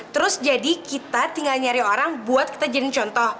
terus jadi kita tinggal nyari orang buat kita jadi contoh